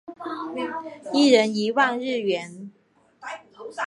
一人一万日元